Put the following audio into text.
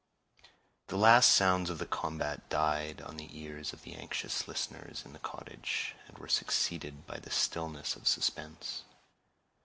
The last sounds of the combat died on the ears of the anxious listeners in the cottage, and were succeeded by the stillness of suspense.